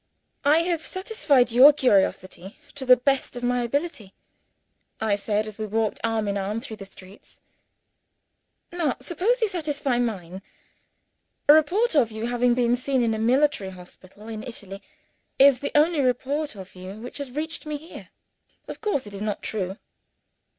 "I have satisfied your curiosity, to the best of my ability," I said, as we walked arm in arm through the streets. "Now suppose you satisfy mine. A report of your having been seen in a military hospital in Italy, is the only report of you which has reached me here. Of course, it is not true?"